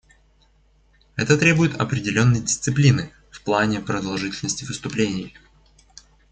Это требует определенной дисциплины в плане продолжительности выступлений.